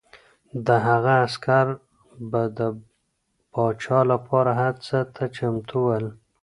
د هغه عسکر به د پاچا لپاره هر څه ته چمتو ول.